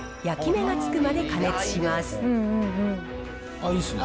あっいいっすね。